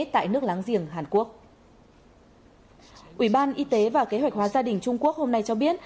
tại nước láng giềng hàn quốc ủy ban y tế và kế hoạch hóa gia đình trung quốc hôm nay cho biết